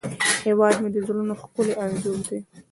هیواد مې د زړونو ښکلی انځور دی